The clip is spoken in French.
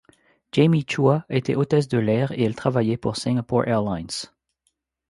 Jamie Chua était hôtesse de l’air et elle travaillait pour Singapore Airlines.